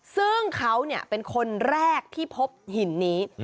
ซึ่งเขาเป็นคนแรกที่พบหินนี้